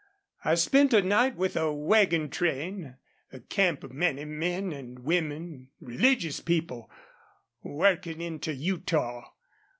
I spent a night with a wagon train, a camp of many men and women, religious people, working into Utah.